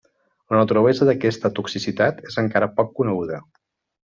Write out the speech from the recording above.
La naturalesa d'aquesta toxicitat és encara poc coneguda.